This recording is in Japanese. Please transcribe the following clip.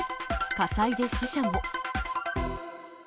火災で死者も。